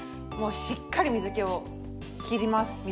もうしっかり水けを切ります。